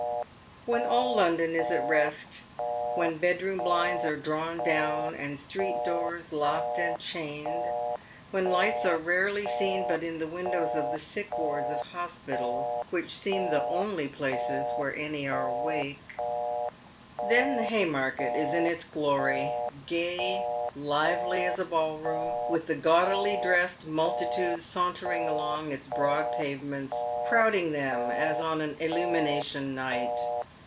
When all London is at rest — when bedroom blinds are drawn down and street doors locked and chained — when lights are rarely seen but in the windows of the sick wards of hospitals, which seem the only places where any are awake — then the Haymarket is in its glory, gay and lively as a ball room, with the gaudily dressed multi tude sauntering along its broad pavements, crowding them as on an illumination night.